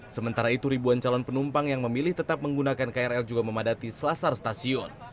sementara itu ribuan calon penumpang yang memilih tetap menggunakan krl juga memadati selasar stasiun